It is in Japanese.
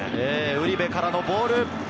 ウリベからのボール。